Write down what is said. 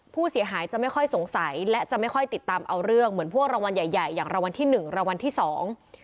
ผู้เสียหายจะไม่ค่อยสงสัยและจะไม่ค่อยติดตามเอาเรื่องเหมือนพวกรางวัลใหญ่ใหญ่อย่างรางวัลที่หนึ่งรางวัลที่สอง